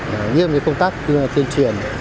nghiêm với công tác tiên truyền